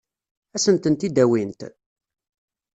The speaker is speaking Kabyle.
Ad sen-tent-id-awint?